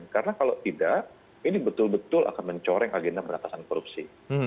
karena kalau tidak ini betul betul akan mencoreng agenda peratasan korupsi